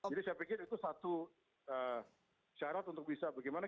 jadi saya pikir itu satu syarat untuk bisa bagaimana